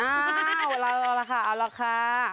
อ้าวเอาแล้วค่ะ